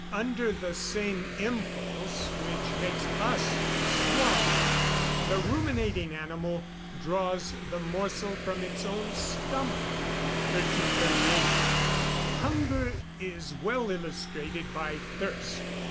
Under the same impulse which makes us swallow, the ruminating animal draws the morsel from its own stomach. 1338. "Hunger is well illustrated by thirst.